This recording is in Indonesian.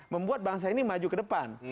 membuat bangsa ini maju ke depan